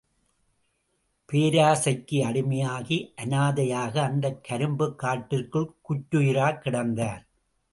பேராசைக்கு அடிமையாகி, அனாதையாக, அந்த கரும்புக் காட்டிற்குள் குற்றுயிராகக் கிடந்தார்.